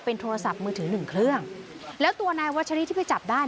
โทรศัพท์มือถือหนึ่งเครื่องแล้วตัวนายวัชรีที่ไปจับได้